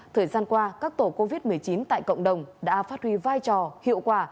thời gian qua các tổ covid một mươi chín tại cộng đồng đã phát huy vai trò hiệu quả